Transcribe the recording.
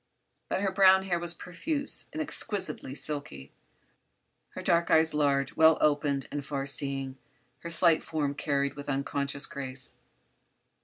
But her brown hair was profuse and exquisitely silky; her dark eyes large, well opened and far seeing; her slight form carried with unconscious grace.